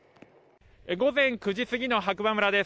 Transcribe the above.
午前９時過ぎの白馬村です。